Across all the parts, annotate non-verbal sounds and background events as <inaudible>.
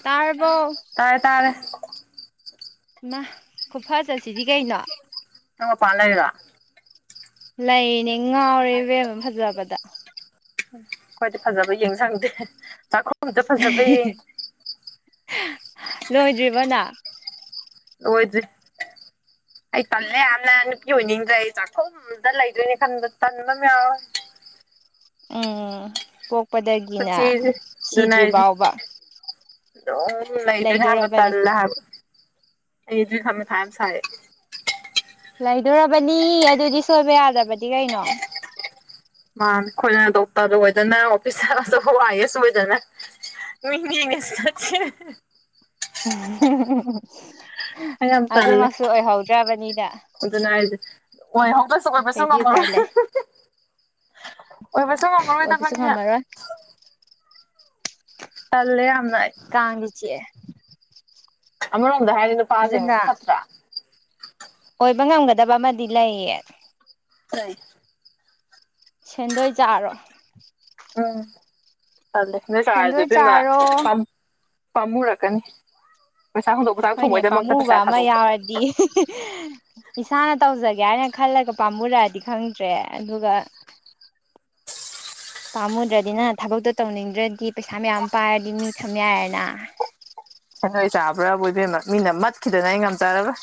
ꯇꯥꯔꯕꯣ ꯍꯦꯜꯣ ꯇꯥꯏ ꯇ ꯏ ꯈꯨꯐ ꯆꯠꯁꯤꯗꯤ ꯀꯩꯅꯣ ꯎ ꯄꯟꯅꯔꯗ ꯂꯩꯅꯦ ꯉꯥꯎꯔꯦ ꯏꯕꯦꯝꯕ ꯐꯖꯕꯗ ꯑꯟꯏꯟꯇꯦꯜꯂꯤꯖꯦꯕꯜ ꯂꯣꯏꯗ꯭ꯔꯤꯕꯅ ꯂꯣꯏꯗ꯭ꯔꯤ ꯑꯟꯑꯣꯗꯤꯕꯜ ꯑꯩ ꯇꯜꯂꯦ ꯌꯥꯝꯅ ꯅꯨꯄꯤ ꯑꯣꯏꯅꯤꯡꯗ꯭ꯔꯦ ꯑꯩ ꯆꯥꯛꯈꯨꯝꯗ ꯂꯩꯗꯣꯏꯅꯦ ꯈꯟꯕ ꯇꯟꯕꯝ ꯌꯥꯎꯋꯦ ꯑꯟꯑꯣꯗꯤꯕꯜ ꯎꯝ ꯄꯣꯛꯄꯗꯒꯤꯅ ꯄꯨꯟꯁꯤꯁꯦ ꯁꯤꯗ꯭ꯔꯤ ꯐꯥꯎꯕ ꯗꯨꯝ ꯂꯩꯗꯨꯏꯅꯦ ꯍꯥꯏꯕ ꯂꯩꯗꯣꯔꯕꯅꯤ ꯇꯜꯂꯦ ꯍꯥꯏꯕ ꯑꯩꯗꯨ ꯊꯝꯃꯦ ꯊꯥꯏꯝ ꯁꯥꯏ ꯂꯩꯗꯣꯔꯕꯅꯤ ꯑꯗꯨꯗꯤ ꯁꯣꯏꯕ ꯌꯥꯗ꯭ꯔꯕꯗꯤ ꯀꯩꯅꯣ ꯃꯥꯅꯦ ꯑꯩꯈꯣꯏꯅ ꯗꯣꯛꯇꯔꯗ ꯑꯣꯏꯗꯅ ꯑꯣꯐꯤꯁꯥꯔ ꯑꯆꯧꯕ ꯑꯥꯏꯌꯦꯁ ꯑꯣꯏꯗꯅ ꯑꯟꯏꯟꯇꯦꯜꯂꯤꯖꯦꯕꯜ ꯑꯩ ꯌꯥꯝ ꯇꯜꯂꯦ ꯑꯗꯨꯃꯛꯁꯨ ꯑꯣꯏꯍꯧꯗ꯭ꯔꯕꯅꯤꯅ ꯑꯣꯏ ꯍꯧꯗꯁꯨ ꯑꯣꯏꯕꯁꯨ ꯀꯩꯗꯤ ꯎꯄꯥꯏ ꯉꯝꯃꯔꯣꯏ ꯂꯩ ꯑꯣꯏꯕꯁꯨ ꯑꯣꯏꯕꯁꯨ ꯉꯝꯃꯔꯣꯏꯗꯕꯅꯤꯅ ꯉꯝꯃꯔꯣꯏ ꯇꯜꯂꯦ ꯌꯥꯝ ꯀꯥꯡꯖꯨ ꯆꯤꯛꯑꯦ ꯑꯃꯔꯣꯝ ꯑꯗꯨꯅ ꯑꯣꯏꯕ ꯉꯝꯒꯗꯕ ꯑꯃꯗꯤ ꯂꯩꯌꯦ ꯀꯩ ꯁꯦꯟꯗꯣꯏ ꯆꯥꯔꯣ ꯎꯝ ꯇꯜꯂꯦ ꯁꯦꯟꯗꯣꯏ ꯆꯥꯔꯁꯨ ꯏꯕꯦꯝꯃ ꯄꯥꯝ ꯄꯃꯨꯔꯀꯅꯤ ꯍꯣꯏꯅꯦ ꯄꯥꯝꯃꯨꯕ ꯑꯃ ꯌꯥꯎꯔꯗꯤ ꯏꯁꯥꯅ ꯇꯧꯖꯒꯦ ꯍꯥꯏꯅ ꯈꯜꯂꯒ ꯄꯥꯝꯃꯨꯔꯛꯑꯗꯤ ꯈꯪꯗ꯭ꯔꯦ ꯑꯗꯨꯒ ꯄꯥꯝꯃꯨꯗ꯭ꯔꯗꯤꯅ ꯊꯕꯛꯇꯣ ꯇꯧꯅꯤꯡꯗ꯭ꯔꯗꯤ ꯄꯩꯁꯥ ꯃꯌꯥꯝ ꯄꯥꯏꯔꯗꯤ ꯃꯤ ꯊꯝ ꯌꯥꯏꯔꯦꯅ ꯑꯟꯑꯣꯗꯤꯕꯜ ꯁꯦꯟꯗꯣꯏ ꯆꯥꯕ꯭ꯔꯥꯕꯨ ꯏꯕꯦꯝꯃ ꯃꯤꯅ ꯃꯠꯈꯤꯗꯅ ꯑꯩ ꯉꯝꯖꯔꯔꯣꯏ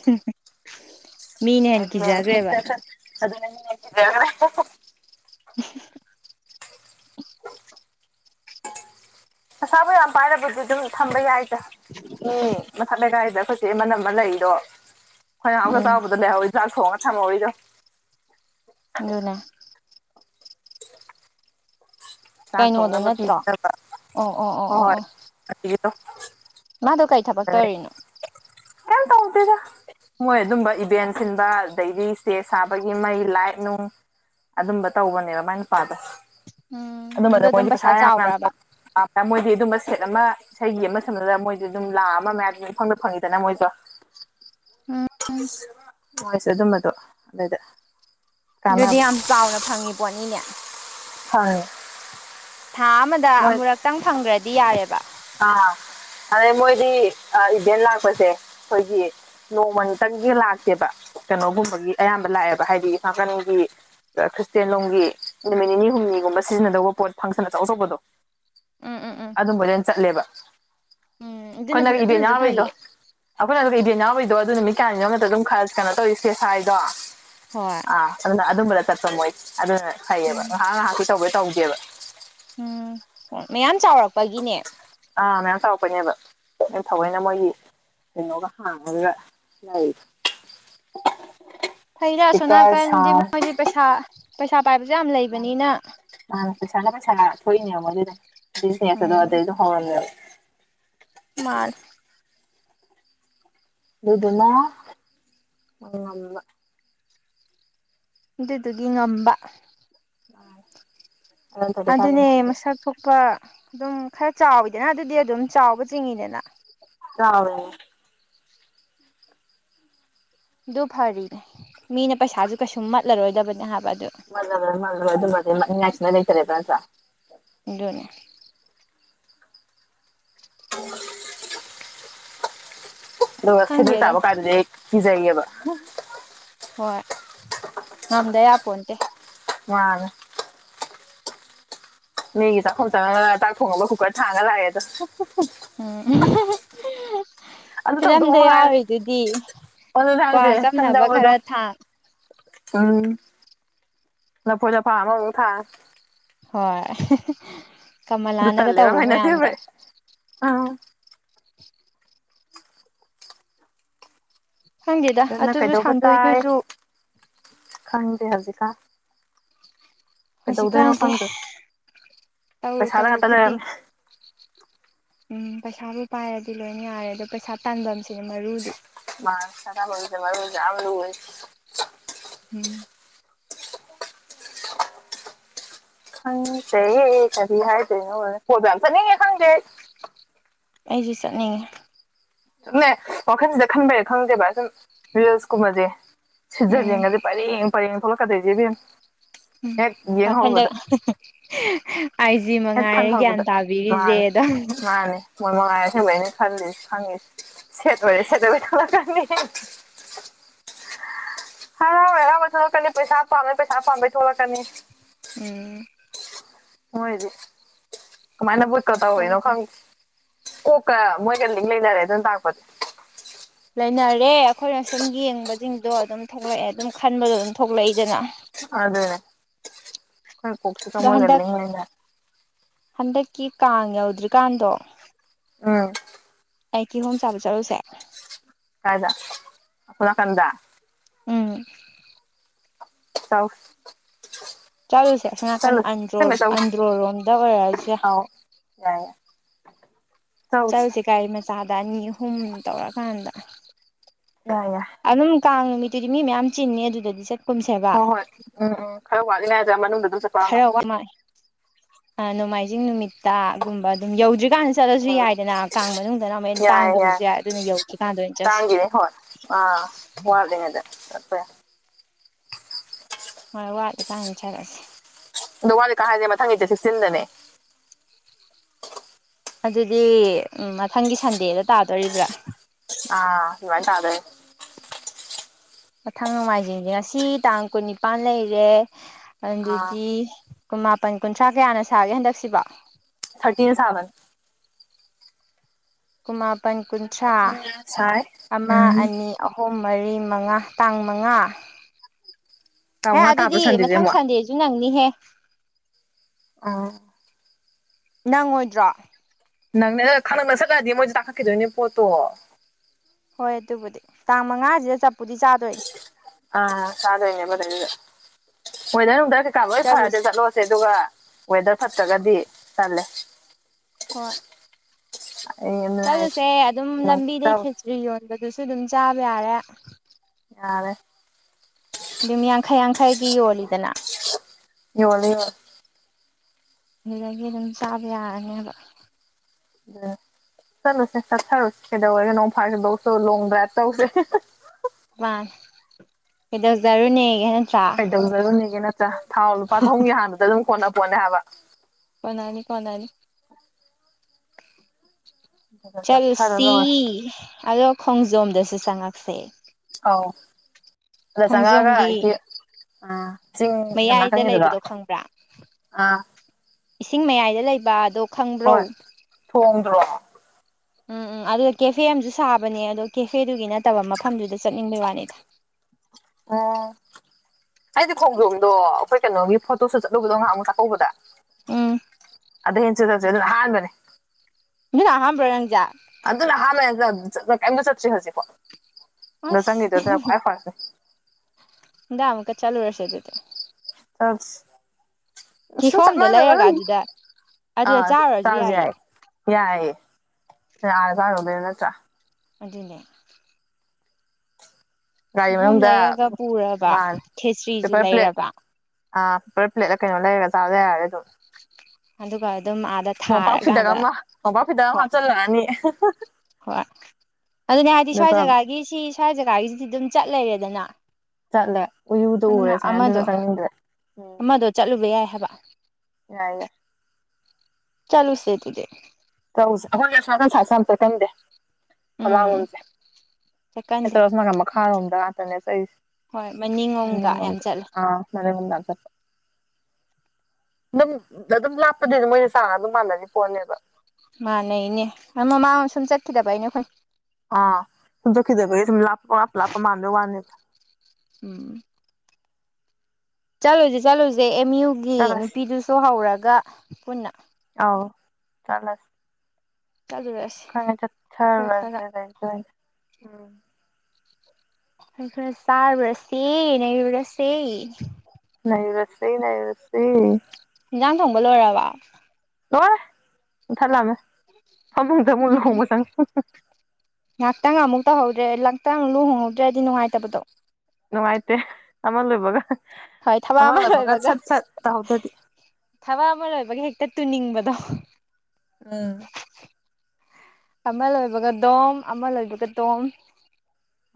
ꯍꯝꯍꯝ ꯑꯟꯏꯟꯇꯦꯜꯂꯤꯖꯦꯕꯜ ꯍꯝꯍꯝ ꯄꯩꯁꯥꯕꯨ ꯌꯥꯝ ꯄꯥꯏꯔꯕꯨꯗꯤ ꯑꯗꯨꯝ ꯊꯝꯕ ꯌꯥꯏꯗ ꯃꯤ ꯃꯊꯛ ꯂꯩꯀꯥꯏꯁꯤꯗ ꯑꯩꯈꯣꯏ ꯆꯦ ꯃꯟꯅꯝꯃ ꯂꯩꯗꯣ ꯈꯣꯏꯅꯥꯌꯥꯝꯒ ꯎꯝ ꯆꯥꯎꯕꯗ ꯂꯩꯍꯧꯋꯤꯖꯥꯛ ꯊꯣꯡ ꯊꯝꯃꯧꯔꯤꯗꯨ ꯑꯗꯨꯅꯦ ꯆꯥꯛ ꯀꯩꯅꯣꯗꯣ ꯊꯣꯡꯅꯕ ꯅꯠꯇ꯭ꯔꯣ ꯄꯤꯖꯕ ꯑꯣ ꯑꯣ ꯑꯣ ꯍꯣꯏ ꯑꯣ ꯍꯣꯏ ꯑꯣ ꯑꯗꯨꯒꯤꯗꯣ ꯃꯥꯗꯣ ꯀꯩ ꯊꯕꯛ ꯇꯧꯔꯤꯅꯣ ꯀꯦꯝ ꯇꯧꯗꯦꯗ ꯃꯣꯏ ꯑꯗꯨꯝꯕ ꯏꯚꯦꯟ ꯁꯤꯟꯗ ꯑꯗꯩꯗꯤ ꯏꯁꯇꯦꯖ ꯁꯥꯕꯒꯤ ꯃꯩ ꯂꯥꯏꯠ ꯅꯨꯡ ꯑꯗꯨꯝꯕ ꯇꯧꯕꯅꯦꯕ ꯃꯥꯏ ꯅꯨꯄꯥꯗꯨ ꯎꯝ ꯑꯗꯣ ꯑꯗꯨꯝꯕꯗ ꯑꯗꯨꯝ ꯃꯣꯏꯗꯤ ꯄꯩꯁꯥ ꯌꯥꯝ ꯆꯥꯎꯕ꯭ꯔꯕ ꯌꯥꯝ ꯃꯣꯏꯗꯤ ꯑꯗꯨꯝꯕ ꯁꯦꯠ ꯑꯃ ꯏꯁꯩꯒꯤ ꯑꯃ ꯁꯝꯅꯗ ꯃꯣꯏꯗꯨ ꯑꯗꯨꯝ ꯂꯥꯛ ꯑꯃ ꯃꯌꯥꯗ ꯑꯗꯨꯝ ꯏꯐꯪꯗ ꯐꯪꯉꯤꯗꯅ ꯃꯣꯏꯁꯨ ꯎꯝ ꯍꯣꯏꯁꯦ ꯑꯗꯨꯝꯕꯗꯣ ꯑꯗꯨꯏꯗ ꯑꯗꯨꯗꯤ ꯌꯥꯝ ꯆꯥꯎꯅ ꯐꯪꯉꯤ ꯄꯣꯠꯅꯤꯅꯦ ꯐꯪꯏ ꯊꯥ ꯑꯃꯗ ꯑꯃꯨꯔꯛꯇꯪ ꯐꯪꯒ꯭ꯔꯗꯤ ꯌꯥꯔꯦꯕ ꯑꯥ ꯑꯗꯩ ꯃꯣꯏꯗꯤ ꯑ ꯏꯚꯦꯟ ꯂꯥꯛꯄꯁꯦ ꯑꯩꯈꯣꯏꯒꯤ ꯅꯣꯡꯃ ꯇꯪꯒꯤ ꯂꯥꯛꯇꯦꯕ ꯀꯩꯅꯣꯒꯨꯝꯕꯒꯤ ꯑꯌꯥꯝꯕ ꯂꯥꯛꯑꯦꯕ ꯍꯥꯏꯗꯤꯐꯥꯡꯒꯟꯒꯤ ꯈ꯭ꯔꯤꯁꯇꯦꯟꯂꯣꯝꯒꯤ ꯅꯨꯃꯤꯠ ꯅꯤꯅꯤ ꯍꯨꯝꯅꯤꯒꯨꯝꯕ ꯁꯤꯖꯤꯟꯅꯗꯧꯕ ꯄꯣꯠ ꯐꯪꯁꯟ ꯑꯆꯧ ꯑꯆꯧꯕꯗꯣ ꯎꯝ ꯎꯝ ꯎꯝ ꯑꯗꯨꯝꯕ ꯖꯦ ꯆꯠꯂꯦꯕ ꯎꯝ ꯑꯗꯨꯅ ꯑꯩꯈꯣꯏꯅꯒ ꯏꯕꯦꯟ ꯑꯗꯨꯅꯁꯨ ꯌꯥꯎꯔꯨꯏꯗꯨ ꯐꯩꯌꯦ ꯑꯩꯈꯣꯏꯅ ꯑꯩꯗꯤ ꯏꯅꯥꯎꯏꯗꯣ ꯑꯗꯨ ꯅꯨꯃꯤꯠ ꯀꯌꯥꯅꯤꯅꯛꯇ ꯑꯗꯨꯝ ꯈꯔ ꯀꯩꯅꯣ ꯇꯧꯔꯤꯁꯦ ꯁꯥꯏꯗꯣ ꯍꯣꯏ ꯑ ꯑꯗꯨꯅ ꯑꯗꯨꯕꯨꯂ ꯆꯔꯄꯝ ꯍꯣꯏ ꯑꯗꯨ ꯐꯩꯌꯦꯕ ꯎꯝ ꯉꯥꯏꯍꯥꯛ ꯉꯥꯏꯍꯥꯛꯀꯤ ꯇꯧꯕꯒꯦ ꯇꯧꯒꯦꯕ ꯄꯒꯤꯅꯦ ꯊꯣꯛꯄꯅꯦꯕ ꯊꯑꯣꯏꯅ ꯃꯣꯏꯒꯤ ꯀꯩꯅꯣꯒ ꯍꯥꯡꯉꯒ ꯂꯩꯌꯦ ꯐꯩꯗ ꯁꯣꯅꯥꯀꯟ ꯁꯥꯎꯟ ꯃꯣꯏ ꯄꯩꯁꯥ ꯄꯩꯁꯥ ꯄꯥꯏꯕꯁꯨ ꯌꯥꯝ ꯂꯩꯕꯅꯤꯅ ꯃꯥꯥꯟ ꯄꯩꯁꯥꯅ ꯄꯩꯁꯥ ꯊꯣꯛꯏꯅꯦ ꯃꯣꯏ ꯑꯗꯨꯗ ꯕꯤꯖꯤꯅꯦꯁ ꯑꯗꯣ ꯑꯗꯩꯗꯣ ꯍꯧꯔꯝꯃꯦꯕ ꯃꯥ ꯗꯨꯗꯨꯅ ꯎꯝꯕ ꯑꯗꯨꯗꯨꯒꯤ ꯉꯝꯕ ꯑ ꯑꯗꯨꯅꯦ ꯃꯁꯛ ꯊꯣꯛꯄ ꯑꯗꯨꯝ ꯈꯔ ꯆꯥꯎꯋꯤꯗꯅ ꯑꯗꯨꯗꯤ ꯑꯗꯨꯝ ꯆꯥꯎꯕ ꯆꯤꯡꯉꯤꯗꯅ ꯌꯥ ꯑꯗꯨ ꯐꯔꯤꯅꯦ ꯃꯤꯅ ꯄꯩꯁꯥꯁꯨ ꯀꯩꯁꯨꯝ ꯃꯠꯂꯔꯣꯏꯗꯕꯅꯦ ꯍꯥꯏꯕ ꯑꯗꯨ ꯃ ꯃ ꯑꯗꯨ ꯃꯆ ꯃ ꯂꯩꯇꯔꯦꯕ꯭ꯔ ꯑꯗꯨꯅꯦ ꯎ ꯑꯗꯨꯒ ꯁꯤꯗ ꯈꯪꯗꯦꯗ ꯆꯥꯕ ꯀꯥꯟꯗꯗꯤ ꯑꯩ ꯀꯤꯖꯩꯌꯦꯕ ꯍꯣꯏ ꯉꯝꯗ ꯌꯥꯄꯣꯟꯇꯦ ꯑ ꯃꯤꯒꯤ ꯆꯥꯛꯈꯨꯝ ꯆꯪꯉ ꯆꯥꯛ ꯊꯣꯡꯉꯒ ꯀꯨꯀꯔ ꯊꯥꯡꯉ ꯂꯥꯛꯑꯦꯗ ꯎꯝ ꯑꯗꯨ ꯇꯧꯗꯧ ꯐꯤꯂꯝꯗ ꯉꯥꯏꯔꯦ ꯌꯥꯎꯔꯤꯗꯨꯗꯤ ꯑꯗꯨꯅꯦ ꯀ꯭ ꯍꯥꯏꯁꯦ ꯆꯝꯅꯕ ꯁꯝꯗꯕꯗꯣ ꯈꯔ ꯊꯥꯡ ꯎꯝ ꯂꯐꯨ ꯆꯐ ꯑꯃꯃꯨꯛ ꯊꯥ ꯍꯣꯏ ꯑꯗꯨ ꯀꯃꯂꯥꯅꯒ ꯇꯜꯂꯦꯕ ꯌꯥꯝ ꯇꯧꯕ ꯍꯩꯅꯗꯦꯕ ꯃꯌꯥꯝꯗꯣ ꯑꯩ ꯑꯥ <inaudible> <unintelligible> ꯈꯪꯗꯦꯗ ꯑꯗꯨꯅ ꯑꯗꯨꯁꯨ ꯀꯩꯗꯧꯕ ꯇꯥꯏ ꯁꯥꯟꯗꯣꯏꯗꯨꯁꯨ ꯈꯪꯗꯦ ꯍꯧꯖꯤꯛꯀꯥꯟ ꯀꯩꯗꯧꯗꯣꯏꯅꯣ ꯍꯧꯖꯤꯛꯀꯥꯟꯁꯦ ꯈꯪꯗ꯭ꯔꯦ ꯇꯧꯔꯨ ꯄꯩꯁꯥꯗ ꯇꯧꯔꯨ ꯉꯥꯛꯇ ꯈꯨꯗꯤꯡ ꯂꯩꯔꯝꯃꯦ ꯎꯝ ꯄꯩꯁꯥꯕꯨ ꯄꯥꯏꯔꯗꯤ ꯂꯣꯏ ꯌꯥꯔꯦ ꯑꯗꯣ ꯄꯩꯁꯥ ꯇꯥꯟꯐꯝꯁꯦ ꯃꯔꯨꯗꯤ ꯃꯥꯔꯁꯔꯔꯖꯔ ꯑꯣꯏ ꯎꯝ ꯈꯪ ꯀꯦ ꯀꯔꯤ ꯍꯥꯏ ꯀꯣꯏꯝ ꯅ ꯈꯪ ꯀ ꯑꯩꯁꯨ ꯆꯠ ꯅꯉ ꯅꯦ ꯋꯥꯈꯜꯁꯤꯗ ꯈꯟꯕꯩꯔ ꯈꯪꯗꯦꯕ ꯁꯨꯝ ꯔꯤꯜꯁꯀꯨꯝꯕꯁꯦ ꯁꯤꯖꯔ ꯎꯝ ꯌꯦꯒꯗꯤ ꯄꯔꯦꯡ ꯄꯔꯦꯡ ꯊ ꯊꯣꯛꯂꯛꯀꯗꯩꯗꯒꯤꯦ ꯐ ꯎꯝ ꯑꯈꯗ ꯑꯩꯁꯤ ꯍꯦꯛ ꯃꯉꯥꯏꯔ ꯒ꯭ꯌꯥꯟ ꯈꯟꯍꯧꯕꯗ ꯇꯥꯕꯤꯔꯤꯁꯦ ꯃꯥꯅꯦ ꯑꯗꯣ ꯃꯥꯅꯦ ꯃꯣꯏ ꯁꯦꯠꯕꯨꯔꯤ ꯁꯦꯇꯕꯨ ꯊꯂꯅꯤ ꯍꯥꯏ ꯍꯕ ꯊꯂ ꯄꯩꯁꯥ ꯄꯥꯝ ꯄꯩꯁꯥ ꯄꯥꯝ ꯊꯂ ꯀ ꯎꯝ ꯃꯣꯏꯗꯤ ꯀꯃꯥꯏꯅ ꯕꯨꯠꯀ ꯇꯧꯔꯤꯅꯣ ꯈꯪ ꯀꯣꯛꯀ ꯃꯣꯏ ꯂꯩ ꯂꯩꯔꯦ ꯑꯗꯨꯥꯛꯄꯗꯤ ꯂꯩꯅꯔꯦ ꯑꯩꯈꯣꯏꯅ ꯁꯨꯝ ꯌꯦꯡꯕꯁꯤꯡꯗꯣ ꯑꯗꯨꯝ ꯊꯣꯛꯂꯛꯑꯦ ꯑꯗꯨꯝ ꯈꯟꯕꯗꯣ ꯑꯗꯨꯝ ꯊꯣꯛꯂꯛꯏꯗꯅ ꯀꯣꯏ ꯄꯣꯛꯁꯨ ꯇ ꯑꯗꯣ ꯃ ꯂꯩ ꯍꯟꯗꯛ ꯂꯩꯅ ꯍꯟꯗꯛꯀꯤ ꯀꯥꯡ ꯌꯧꯗ꯭ꯔꯤꯀꯥꯟꯗꯣ ꯎꯝ ꯑꯩ ꯀꯤꯍꯣꯝ ꯆꯥꯕ ꯆꯠꯔꯨꯁꯦ ꯀꯥꯏꯗ ꯐꯅꯥ ꯀꯟꯗ ꯎꯝ ꯇꯥꯎ ꯆꯠꯂꯨꯁꯦ ꯑꯁꯣ ꯅꯥꯀꯟ ꯑꯟꯗ꯭ꯔꯣ ꯆꯧꯁꯤ ꯑꯟꯗ꯭ꯔꯣꯔꯣꯝꯗ ꯑꯣꯏꯔꯛꯁꯦ ꯑ ꯆꯠꯂꯨꯁꯦ ꯒꯥꯔꯤ ꯃꯆꯥꯗ ꯑꯅꯤ ꯑꯍꯨꯝ ꯇꯧꯔꯀꯥꯟꯗ ꯌꯥ ꯌꯥ ꯑꯗꯨꯝ ꯀꯥꯡ ꯅꯨꯃꯤꯠꯇꯨꯗꯤ ꯃꯤ ꯃꯌꯥꯝ ꯆꯤꯟꯅꯤ ꯑꯗꯨꯗꯗꯤ ꯁꯦ ꯍꯣꯏ ꯍꯣꯏ ꯎꯝ ꯎꯝ ꯈꯔ ꯋꯥꯠꯂꯤꯉꯖꯥ ꯃꯅꯨꯡꯗ ꯑꯗꯨꯝ ꯆꯠꯄꯔꯝꯗꯣ ꯈꯔ ꯋꯥꯃ ꯅꯣꯡꯃꯥꯏꯖꯤꯡ ꯅꯨꯃꯤꯠꯇ ꯒꯨꯝꯕ ꯑꯗꯨꯝ ꯌꯧꯗ꯭ꯔꯤ ꯖꯤꯀꯥꯟꯗ ꯆꯠꯂꯁꯨ ꯎꯝ ꯌꯥꯏꯗꯅ ꯀꯥꯡ ꯃꯅꯨꯡꯗꯅ ꯃꯦꯟ ꯇꯥꯡꯈꯤꯕꯁꯨ ꯌꯥꯏ ꯑꯗꯨꯅ ꯌꯧꯁꯤꯀꯥꯟꯗ ꯑꯣꯏꯅ ꯆꯠꯁꯤ ꯇꯥꯡꯒꯤꯅꯤ ꯍꯣꯏ ꯑꯥ ꯋꯥꯠꯂꯤꯉꯩꯗ ꯆꯠꯄ ꯌꯥ ꯍꯣꯏ ꯋꯥꯠꯂꯤꯀꯥꯟ ꯆꯠꯂꯁꯦ ꯑ ꯋꯥꯂꯤꯀꯥ ꯍꯥꯏꯁꯦ ꯃꯊꯪꯒꯤ ꯆꯦꯛꯆꯟꯗꯅꯦ ꯑꯗꯨꯗꯤ ꯃꯊꯪꯒꯤ ꯁꯟꯗꯦꯗ ꯇꯥꯗꯣꯔꯤꯕ꯭ꯔꯥ ꯑꯥ ꯑꯗꯨꯃꯥꯏꯅ ꯇꯥꯗꯣꯏꯅꯦ ꯃꯊꯪ ꯅꯣꯡꯃꯥꯏꯖꯤꯡꯁꯦ ꯉꯁꯤ ꯇꯥꯡ ꯀꯨꯟꯅꯤꯄꯥꯜ ꯂꯩꯔꯦ ꯑꯥ ꯑꯗꯨꯗꯤ ꯀꯨꯟ ꯃꯥꯄꯟ ꯀꯨꯟꯊ꯭ꯔꯥ ꯀꯌꯥꯅ ꯁꯥꯒꯦ ꯍꯟꯗꯛꯁꯤꯕ ꯊꯔꯇꯤ ꯁꯦꯕꯦꯟ ꯀꯃꯥ ꯃꯥꯄꯟ ꯀꯨꯟꯊ꯭ꯔꯥ ꯁꯥꯏ ꯑꯃ ꯎꯝ ꯑꯅꯤ ꯑꯍꯨꯝ ꯃꯔꯤ ꯃꯉꯥ ꯇꯥꯡꯉ ꯃꯉꯥ ꯑꯦ ꯇꯥꯃꯉꯥ ꯇꯥꯕ꯭ꯔꯥ ꯑꯗꯨꯗꯤ ꯁꯟꯗꯦꯁꯦ ꯃꯊꯪ ꯑꯃꯨꯛ ꯁꯟꯗꯦꯁꯨ ꯅꯪꯅꯤꯍꯦ ꯑꯥ ꯅꯪꯉꯣꯏꯗ꯭ꯔꯣ ꯅꯪꯅ ꯈꯗꯪꯅ ꯁꯠꯂꯛꯑꯗꯤ ꯃꯣꯏꯁꯨ ꯇꯥꯈꯠꯈꯤꯗꯣꯏꯅꯦ ꯄꯣꯠꯇꯣ ꯍꯣꯏ ꯑꯗꯨꯕꯨꯗꯤ ꯇꯥꯡ ꯃꯉꯥꯁꯤꯗ ꯆꯞ ꯑ ꯁꯥꯗ ꯏꯅꯦ ꯃꯗ ꯃꯣꯏꯗꯥꯅ ꯎꯗ ꯩꯀꯥ ꯂꯣꯏ ꯆꯠꯂꯨꯁꯤ ꯐꯔꯗꯤꯦ ꯆꯠꯂꯣꯁꯦ ꯑꯗꯨꯒ ꯋꯦꯗꯔ ꯐꯠꯇ꯭ꯔꯒꯗꯤ ꯇꯜꯂꯦ ꯍꯣꯏ ꯑꯩ ꯑꯗꯨꯅ ꯍꯥꯏꯁꯦ ꯆꯠꯂꯨꯁꯦ ꯑꯗꯨꯝ ꯂꯝꯕꯤꯗꯩ ꯈꯦꯇ꯭ꯔꯤ ꯌꯣꯟꯕꯗꯨꯁꯨ ꯑꯗꯨꯝ ꯆꯥꯕ ꯌꯥꯔꯦ ꯑꯗꯦ ꯌꯨꯝ ꯌꯥꯡꯈꯩ ꯌꯥꯡꯈꯩꯒꯤ ꯌꯣꯜꯂꯤꯗꯅ ꯌꯣꯜꯂꯦ ꯌꯣꯜꯂꯦ ꯑꯗꯨꯗꯒꯤ ꯑꯗꯨꯝ ꯆꯥꯕ ꯌꯥꯔꯅꯦꯕ ꯎꯝ ꯆꯠꯂꯨꯁꯦ ꯆꯠꯊꯔꯨꯁꯤ ꯀꯩꯗꯧꯔꯦꯒ ꯅꯣꯡ ꯐꯥꯁꯤꯗꯧꯁꯨ ꯂꯣꯡ ꯗ꯭ꯔꯥꯏꯚ ꯇꯧꯁꯦ ꯃꯥ ꯏꯗ ꯔꯅꯤ ꯀꯩꯗꯧꯖꯔꯨꯅꯦꯒꯦ ꯅꯠꯇ꯭ꯔꯥ ꯊꯥꯎ ꯂꯨꯄꯥ ꯊꯣꯡꯒꯤ ꯍꯥꯟꯕꯗ ꯑꯗꯨꯝ ꯁꯣꯟꯅꯄꯣꯠꯅꯦ ꯍꯥꯏꯕ ꯀꯅꯥꯅꯤ ꯀꯅꯥꯅꯤ ꯑꯗꯨꯒ ꯆꯠꯊꯔ ꯆꯠꯂꯨꯁꯤ ꯂꯣꯏꯔꯦ ꯑꯗꯣ ꯈꯣꯡꯖꯣꯝꯗꯁꯨ ꯆꯪꯉꯛꯁꯦ ꯈꯣꯡꯖꯣꯝꯒꯤ <unintelligible> ꯆꯤꯡ ꯃꯌꯥꯏꯗ ꯅꯀꯟꯒꯤꯗꯨꯔꯣ ꯂꯩꯕꯗꯣ ꯈꯪꯕ꯭ꯔꯥ ꯏꯁꯤꯡ ꯃꯌꯥꯏꯗ ꯂꯩꯕ ꯑꯣ ꯍꯣꯏ ꯊꯣꯡꯗ꯭ꯔꯣ ꯎꯝ ꯎꯝ ꯑꯗꯨꯗ ꯀꯦꯐꯦ ꯑꯃꯁꯨ ꯁꯥꯕꯅꯦ ꯑꯗꯣ ꯀꯦꯐꯦꯗꯨꯒꯤ ꯅꯠꯇꯦ ꯐꯠꯇꯕ ꯃꯐꯝꯗꯨꯗ ꯆꯠꯅꯤꯡꯕꯩ ꯋꯥꯅꯤꯗ ꯍꯥꯏꯗꯤ ꯈꯣꯡꯖꯣꯝꯗꯣ ꯑꯩꯈꯣꯏ ꯀꯩꯅꯣꯒꯤ ꯐꯣꯇꯣꯁꯨ ꯆꯠꯂꯨꯕꯗꯣ ꯅꯍꯥꯟꯃꯨꯛ ꯆꯥꯛꯀꯧꯕꯗ ꯎꯝ ꯑꯗꯨ ꯍꯥꯏ ꯃꯅꯦ <unintelligible> ꯃꯤꯅ ꯑꯍꯥꯟꯕ꯭ꯔꯣ ꯔꯪꯖꯥ ꯑꯗꯨꯅ ꯑꯍꯥꯟꯕꯅꯤ ꯀꯩꯝꯇ ꯆꯠꯇ꯭ꯔꯤ ꯍꯧꯖꯤꯛꯐꯥꯎ ꯅ ꯆꯪꯒꯗ ꯑꯁ ꯑꯗꯨꯅ ꯀꯥꯏ ꯐꯔꯁꯦ ꯗꯥ ꯑꯃꯀ ꯆꯥꯂꯨ ꯔꯁꯦꯠꯇꯗꯤ ꯇ ꯀꯤꯍꯣꯝꯗꯣ ꯆꯃꯅ ꯂꯩꯔꯒ ꯑꯗꯨꯗ ꯑꯗꯨꯗ ꯑꯥ ꯆꯥꯔꯨꯔꯁꯨ ꯌꯥꯏꯌꯦ ꯇꯥꯖꯦꯏ ꯌꯥꯏꯑꯌꯦ ꯑꯥꯔ ꯀꯥꯔ ꯑꯣꯏꯗꯅ ꯅꯠꯇ꯭ꯔꯥ ꯑꯖꯤꯅꯦ ꯒꯥꯔꯤ ꯀꯤꯍꯣꯝ ꯃꯅꯨꯡꯗ ꯂꯩꯔꯒ ꯄꯨꯔꯕ ꯃꯥꯅꯦ ꯈꯦꯁꯇ꯭ꯔꯤꯖ ꯂꯩꯔꯕ ꯑ ꯄꯨ ꯄ꯭ꯂꯦꯂ ꯀꯩꯅꯣ ꯂꯩꯦꯒ ꯆꯗꯦ ꯍꯥꯏꯦ ꯑꯗꯨꯣ ꯑꯗꯨꯗ ꯀꯗꯦ ꯑꯗꯨꯝ ꯑꯥꯗ ꯃꯣꯝꯄꯥꯛ ꯐꯤꯗꯛ ꯊꯥꯔꯀꯥꯟꯗ ꯑꯃ ꯃꯣꯝꯄꯥꯛ ꯐꯤꯗꯛ ꯑꯃ ꯍꯣꯏ ꯍꯥꯞꯆꯤꯜꯂꯛꯑꯅꯤ ꯍꯣꯏ ꯑꯗꯨꯅꯦ ꯍꯥꯏꯗꯤ ꯁ꯭ꯋꯥꯏ ꯑꯗꯨꯒ ꯖꯒꯥꯒꯤꯁꯤ ꯁ꯭ꯋꯥꯏ ꯖꯒꯥꯒꯤꯁꯤꯗꯤ ꯑꯗꯨꯝ ꯆꯠ ꯂꯩꯔꯦꯗꯅ ꯆꯠꯂꯦ ꯎꯌꯨꯗꯣ ꯑꯗꯨꯅ ꯎꯔꯦ ꯁꯨꯃꯥꯏꯅ ꯑꯃꯗꯣ ꯑꯗꯨꯅ ꯆꯪꯅꯤꯡꯗ꯭ꯔꯦ ꯑꯃꯗꯣ ꯆꯠꯂꯨꯕ ꯌꯥꯏ ꯍꯥꯏꯕ ꯒꯦ ꯆꯂꯨꯁꯦ ꯇꯨꯗꯦ ꯇꯧꯁꯦ ꯑꯩꯈꯣꯏ ꯑꯁꯥ ꯀꯟꯁꯥꯁꯨ ꯌꯥꯝ ꯆꯠꯀꯟꯗꯦ ꯎꯝ ꯃꯃꯥꯡꯂꯣꯝꯁꯦ ꯍꯦ ꯆꯠꯀꯟꯗꯦ ꯇꯔꯣꯁ ꯅꯥꯀꯟ ꯃꯈꯥꯔꯣꯝꯗ ꯉꯥꯛꯇꯅꯦ ꯆ ꯑꯩꯁꯦ ꯍꯣꯏ ꯃꯅꯤꯡꯂꯣꯝꯒ ꯌꯥꯝ ꯃꯅꯤꯗ ꯆꯠꯂꯦ ꯑ ꯃꯅꯤ ꯃ ꯆꯄ ꯑꯗꯨꯝ ꯑꯗꯨꯝ ꯂꯥꯞꯄꯗꯒꯤꯅꯦ ꯃꯣꯏꯁ ꯆꯥꯡꯅ ꯑꯗꯨꯝ ꯃꯥꯟꯅꯔꯤ ꯄꯣꯠꯅꯦꯕ ꯃꯥꯥꯟꯅꯩꯅꯦ ꯑꯃꯃꯥꯡ ꯑꯃ ꯁꯨꯝ ꯆꯠꯈꯤꯗꯕ ꯑꯅꯦ ꯑꯩꯈꯣꯏ ꯗꯣ ꯀꯗ ꯂꯄ ꯂꯄ ꯃꯥꯅꯂꯣ ꯃꯥꯅꯤ ꯎꯝ ꯆꯠꯂꯨꯁꯦ ꯆꯠꯂꯨꯁꯦ ꯑꯦꯝ ꯌꯨꯒꯤ ꯆꯠꯂꯁꯤ ꯅꯨꯄꯤꯗꯨꯁꯨ ꯍꯧꯔꯒ ꯄꯨꯟꯅ ꯑꯥꯎ ꯆꯂꯁ ꯆꯠꯂꯨꯔꯁꯤ ꯈꯪꯉ ꯆꯠ ꯑꯩꯈꯣꯏ ꯆꯔ ꯈꯔ ꯎꯝ ꯑꯩꯣꯏ ꯈꯔ ꯆꯥꯔꯨꯔꯁꯦ ꯅꯔꯨꯨꯔꯁꯦ ꯅꯩꯔꯁꯤ ꯅꯩꯔꯁꯤ ꯏꯟꯖꯥꯡ ꯊꯣꯡꯕ ꯂꯣꯏꯔꯕ ꯂꯣꯏ ꯏꯊꯠ ꯂꯥꯛꯑꯃꯦ ꯐꯃꯨꯡꯗ ꯑꯃꯨ ꯎꯝ ꯂꯨꯍꯣꯡꯕ ꯆꯪ ꯉꯥꯏꯍꯥꯛꯇꯪ ꯑꯃꯨꯛ ꯇꯧꯍꯧꯗ꯭ꯔꯦ ꯉꯥꯏꯥꯛꯇꯪ ꯂꯨꯍꯣꯡꯍꯧꯗ꯭ꯔꯦꯗꯤ ꯅꯨꯡꯉꯥꯏꯇꯕꯗꯣ ꯅꯨꯡꯉꯥꯏꯇꯦ ꯑꯃ ꯂꯣꯏꯕꯒ ꯍ ꯊꯕ ꯑꯃ ꯑꯃꯥꯏ ꯂꯣꯏꯕꯒ ꯑꯣꯏꯕꯒ ꯁꯠ ꯁꯠ ꯇꯧꯍꯧꯗꯗꯤ ꯊꯕ ꯑꯃ ꯑꯣꯏꯕꯒꯤ ꯍꯦꯛꯇ ꯇꯨꯅꯤꯡꯕꯗꯣ ꯎꯝ ꯑꯃ ꯂꯣꯏꯕꯒ ꯗꯣꯝ ꯑꯃ ꯂꯣꯏꯕꯒ ꯇꯣꯝ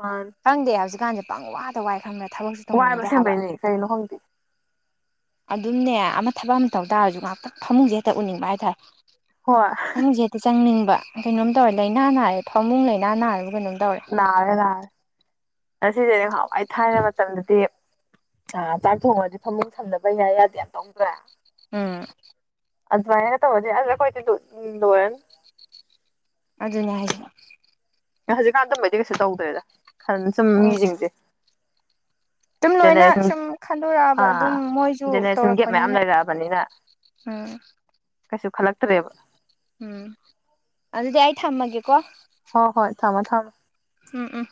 ꯃꯥꯅꯤ ꯈꯪꯗꯦ ꯍꯧꯖꯤꯛ ꯀꯥꯟꯁꯦ ꯄꯪ ꯋꯥꯗ ꯋꯥꯏ ꯈꯪꯗ꯭ꯔ ꯊꯕꯛꯁꯨ ꯋꯥꯏꯕ ꯇꯧꯅꯤꯡꯗꯦ ꯍꯥꯏꯕ ꯑꯁꯦꯡꯕꯩꯅꯦ ꯀꯩꯅꯣ ꯈꯪꯗꯦ ꯑꯗꯨꯝꯅꯦ ꯑꯃ ꯊꯕꯛ ꯑꯃ ꯇꯧ ꯇꯥꯔꯁꯨ ꯉꯍꯥꯛꯇ ꯐꯃꯨꯡꯁꯦ ꯍꯦꯛꯇ ꯎꯅꯤꯡꯕ ꯍꯥꯏꯇꯥꯔꯦ ꯍꯣꯏ ꯍꯧꯨꯡꯁꯦꯛꯇ ꯆꯪꯅꯤꯡꯕ ꯀꯩꯅꯣꯝ ꯇꯧꯔꯦ ꯂꯥꯏꯅꯥ ꯅꯥꯏꯔꯦ ꯐꯃꯨꯡ ꯂꯅꯥ ꯅꯥꯔ ꯅ ꯇꯧꯔꯦ ꯉꯁꯤꯁꯦꯅꯦ ꯍꯥꯟꯋꯥꯏ ꯊꯥꯏꯅ ꯃꯇꯝꯗꯗꯤ ꯑ ꯆꯥꯛ ꯊꯣꯡꯉꯗꯤ ꯐꯃꯨꯡ ꯊꯝꯗꯅꯕ ꯑꯌꯥ ꯌꯥꯗꯦ ꯌꯥꯝ ꯇꯧꯗ꯭ꯔꯥ ꯎꯝ ꯑꯗꯨ ꯑꯗꯨꯃ ꯈ ꯇ ꯍꯧꯖꯦ ꯑꯗꯨꯈꯣꯏꯗꯤ ꯂ ꯂꯋꯅ ꯑꯗꯨꯅꯦ ꯍꯥꯏ ꯍꯧꯖꯤꯛꯀꯥꯟꯗ ꯃꯩꯗꯤ ꯀꯩꯁꯨ ꯇꯧꯗ꯭ꯔꯦꯗ ꯈ ꯁꯨꯝ ꯇꯧ ꯃꯤꯁꯤꯡꯁꯦ ꯑꯗꯨꯝ ꯂꯣꯏꯅ ꯖꯦꯅꯦꯔꯦꯁꯟ ꯁꯨꯝ ꯈꯟꯗꯣꯔꯛꯑꯕ ꯑꯥ ꯑꯗꯨꯝ ꯃꯣꯏꯁꯨ ꯖꯦꯅꯦꯔꯦꯁꯟ ꯒꯦꯞ ꯃꯌꯥꯝ ꯇꯧꯔꯛꯄꯅꯤꯅ ꯂꯩꯔꯛꯑꯕꯅꯤꯅ ꯎꯝ ꯀꯩꯁꯨ ꯈꯜꯂꯛꯇ꯭ꯔꯦꯕ ꯎꯝ ꯑꯜꯗꯤꯦ ꯍꯥꯏꯥꯏꯇ ꯑꯃꯒ ꯍꯣ ꯍꯣꯏ ꯊꯝꯃꯣ ꯊꯝꯃꯃꯦꯣ ꯎꯝ ꯎꯝ